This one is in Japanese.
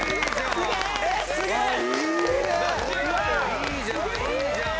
いいじゃんいいじゃん。